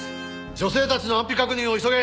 女性たちの安否確認を急げ。